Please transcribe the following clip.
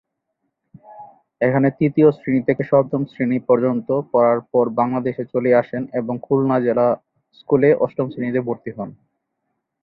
এখানে তৃতীয় শ্রেণি থেকে সপ্তম শ্রেণি পর্যন্ত পড়ার পর বাংলাদেশে চলে আসেন এবং খুলনা জেলা স্কুলে অষ্টম শ্রেণীতে ভর্তি হন।